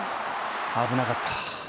危なかった。